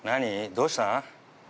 どうした？